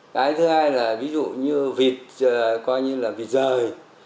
cái thứ hai là ví dụ như vịt coi như là vịt rời